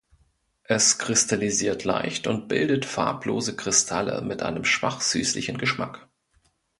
Es kristallisiert leicht und bildet farblose Kristalle mit einem schwach süßlichen Geschmack.